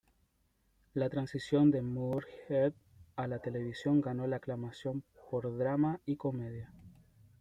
La transición de Moorehead a la televisión ganó la aclamación por drama y comedia.